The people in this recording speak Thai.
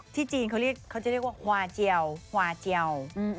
ที่จีนเขาจะเรียกว่าฮวาเจียว